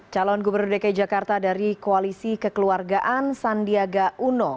calon gubernur dki jakarta dari koalisi kekeluargaan sandiaga uno